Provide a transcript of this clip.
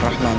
udah apa ini